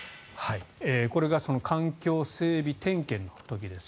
これが環境整備点検の時です。